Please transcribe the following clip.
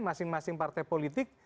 masing masing partai politik